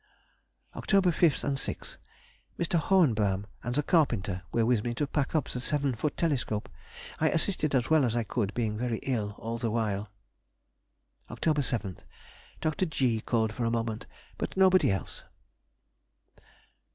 Oct. 5th & 6th.—Mr. Hohenbaum and the carpenter were with me to pack up the seven foot telescope. I assisted as well as I could, being very ill all the while. Oct. 7th.—Dr. G. called for a moment, but nobody else!